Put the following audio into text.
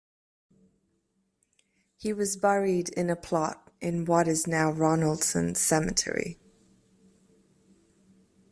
He was buried in a plot in what is now Ronaldson's Cemetery.